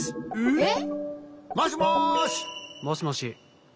えっ！？